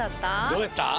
どうやった？